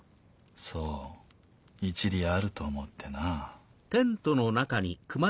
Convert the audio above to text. そう一理あると思ってな。